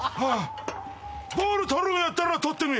ボール取るんやったら取ってみ。